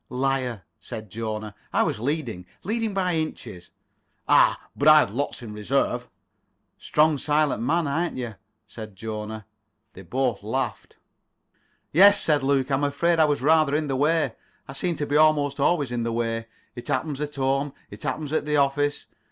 "Liar," said Jona, "I was leading—leading by inches." "Ah, but I'd lots in reserve." "Strong, silent man, ain't you?" said Jona. They both laughed. "Yes," said Luke, "I'm afraid I was rather in the way. I seem to be almost always in the way. It happens at home. It happens at the office.